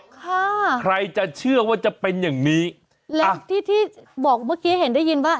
ใครจะเชื่อว่าจะเป็นอย่างนี้และที่ที่บอกเมื่อกี้เห็นได้ยินว่า